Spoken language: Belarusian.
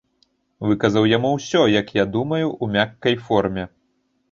Выказаў яму ўсё, як я думаю, у мяккай форме.